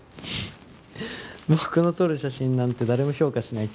僕の撮る写真なんて誰も評価しない